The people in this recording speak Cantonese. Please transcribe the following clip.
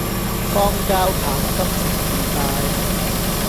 江交棒心情愉快